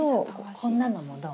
こんなのもどう？